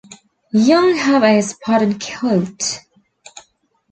Young have a spotted coat.